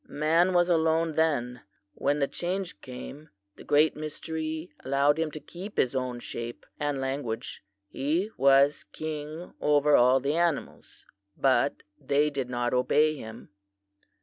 "Man was alone then. When the change came, the Great Mystery allowed him to keep his own shape and language. He was king over all the animals, but they did not obey him.